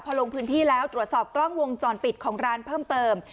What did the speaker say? พอลงพื้นที่แล้วตรวจสอบกล้องวงจรปิดของร้านเพิ่มเติม